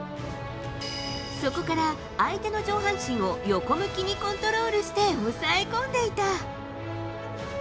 そこから相手の上半身を横向きにコントロールして抑え込んでいた。